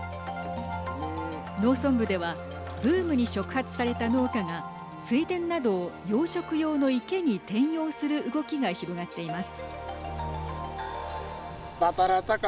農村部ではブームに触発された農家が水田などを養殖用の池に転用する動きが広がっています。